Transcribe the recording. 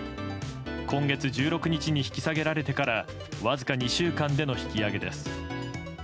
今月１６日に引き下げられてからわずか２週間での引き上げです。